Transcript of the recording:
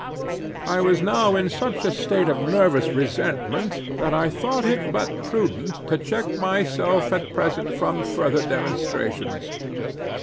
I was now in such a state of nervous resentment that I thought it but prudent to check myself at present from further demonstrations.